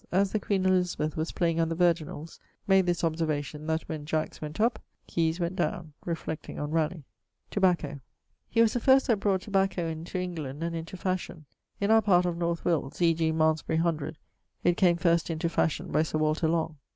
As the queen (Elizabeth) was playing on the virginalls, ... made this observation, that 'when Jack's went up, keys went downe,' reflecting on Ralegh. <_Tobacco._> He was the first that brought tobacco into England, and into fashion. In our part of North Wilts, e.g. Malmesbury hundred, it came first into fashion by Sir Walter Long.